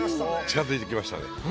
近づいてきましたね。